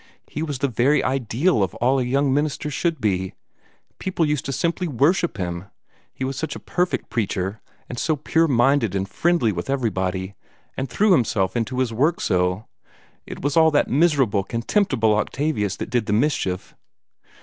He was the very ideal of all a young minister should be. People used to simply worship him, he was such a perfect preacher, and so pure minded and friendly with everybody, and threw himself into his work so. It was all that miserable, contemptible Octavius that did the mischief."